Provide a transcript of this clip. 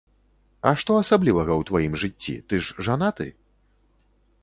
А што асаблівага ў тваім жыцці, ты ж жанаты?